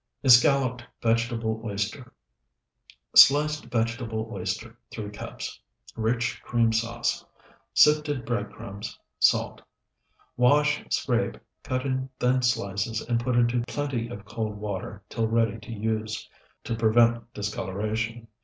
ESCALLOPED VEGETABLE OYSTER Sliced vegetable oyster, 3 cups. Rich cream sauce. Sifted bread crumbs. Salt. Wash, scrape, cut in thin slices, and put into plenty of cold water till ready to use, to prevent discoloration.